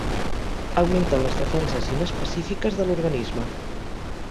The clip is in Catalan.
Augmenta les defenses inespecífiques de l'organisme.